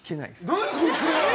何こいつ！